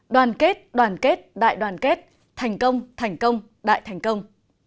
đoàn kết đoàn kết đại đoàn kết thành công thành công đại thành công